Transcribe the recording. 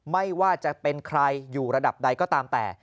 ไม่ว่าจะเป็นใครอยู่ระดับใดก็ตามแต่